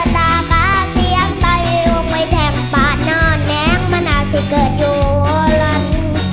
แต่ว่าไม่แทงปากนอนแน่งมันอาจจะเกิดอยู่รัน